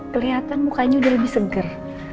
kelihatan mukanya udah lebih seger